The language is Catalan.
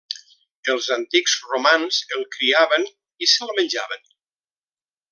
Els antics romans el criaven i se'l menjaven.